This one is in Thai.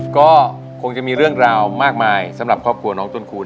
ก็คงจะมีเรื่องราวมากมายสำหรับครอบครัวน้องต้นคูณ